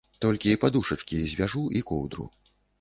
Толькі падушачкі звяжу і коўдру.